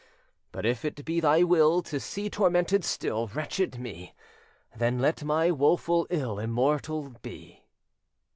But if it be thy will, To see tormented still Wretched me, Then let my woful ill Immortal be."